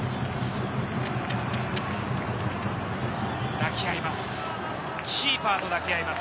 抱き合います。